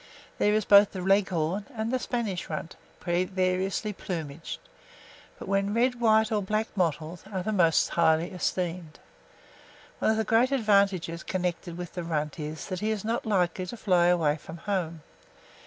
There is both the Leghorn and the Spanish Runt, variously plumaged; but when red, white, or black mottled, are most highly esteemed. One of the great advantages connected with the Runt is, that he is not likely to fly away from home.